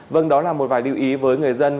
vâng đó là một vài lưu ý với người dân